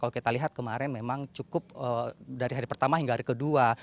karena kalau kita lihat kemarin memang cukup dari hari pertama hingga hari kedua